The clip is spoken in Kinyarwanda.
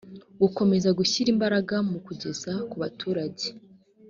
gukomeza gushyira imbaraga mu kugeza ku baturage